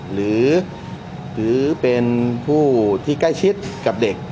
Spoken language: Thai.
หรือเป็นผู้ที่ใกล้ชิดกับเด็ก